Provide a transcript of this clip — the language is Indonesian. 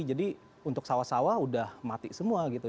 jadi untuk sawah sawah udah mati semua gitu